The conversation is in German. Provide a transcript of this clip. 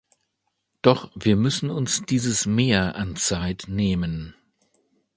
Doch wir müssen uns dieses Mehr an Zeit nehmen.